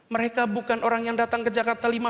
mereka bukan orang yang datang ke jakarta